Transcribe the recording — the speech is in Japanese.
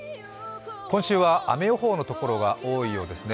今週は雨予報のところが多いようですね。